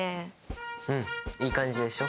うんいい感じでしょ？